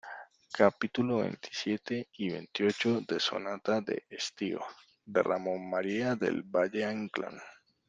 capítulos veintisiete y veintiocho de Sonata de estío, de Ramón María del Valle-Inclán.